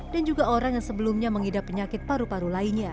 dan juga orang yang sebelumnya mengidap penyakit paru paru